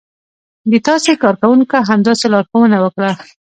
د تاسې کارکونکو همداسې لارښوونه وکړه.